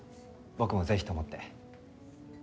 僕もぜひと思って。